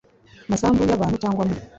Masambu y abantu cyangwa mu